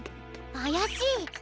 あやしい！